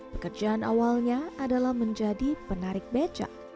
pekerjaan awalnya adalah menjadi penarik becak